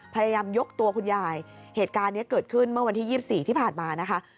พยายามยกตัวคุณยายเหตุการณ์นี้เกิดขึ้นเมื่อวันที่๒๔ที่ผ่านมานะคะ